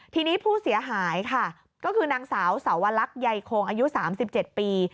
ทีนี้ผู้เสียหายค่ะก็คือนางสาวสวรรคใยโคงอายุ๓๗ปี